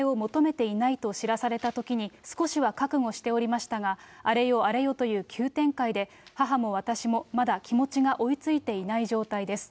昨年秋ごろ、積極的治療のすべがなく、本人も延命を求めていないと知らされたときに、少しは覚悟しておりましたが、あれよあれよという急展開で、母も私もまだ気持ちが追いついていない状態です。